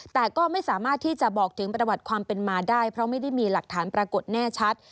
แต่ก็ไม่สามารถที่จะบอกถึงประวัติความเป็นมาได้เพราะไม่ได้มีหลักฐานปรากฏแน่ชัด